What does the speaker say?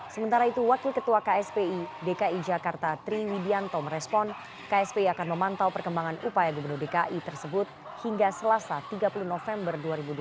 sementara itu wakil ketua kspi dki jakarta triwidianto merespon kspi akan memantau perkembangan upaya gubernur dki tersebut hingga selasa tiga puluh november dua ribu dua puluh